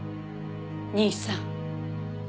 兄さん。